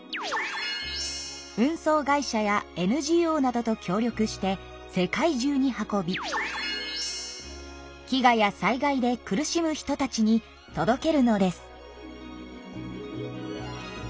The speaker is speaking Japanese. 運送会社やＮＧＯなどと協力して世界中に運び飢餓や災害で苦しむ人たちにとどけるのです。